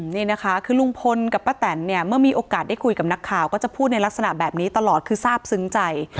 นี่นะคะคือลุงพลกับป้าแตนเนี่ยเมื่อมีโอกาสได้คุยกับนักข่าวก็จะพูดในลักษณะแบบนี้ตลอดคือทราบซึ้งใจ